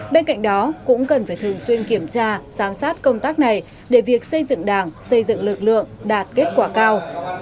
bên cạnh đó cũng cần phải thường xuyên kiểm tra giám sát công tác này để việc xây dựng đảng xây dựng lực lượng đạt kết quả cao